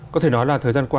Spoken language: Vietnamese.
có thể nói là thời gian qua